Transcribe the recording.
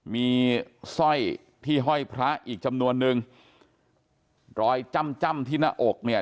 มีสร้อยที่ห้อยพระอีกจำนวนนึงรอยจ้ำจ้ำที่หน้าอกเนี่ย